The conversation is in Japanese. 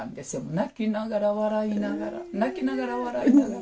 泣きながら笑いながら泣きながら笑いながら。